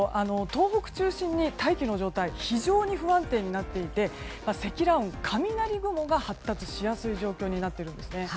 東北中心に大気の状態が非常に不安定になっていて積乱雲、雷雲が発達しやすい状況になっているんですね。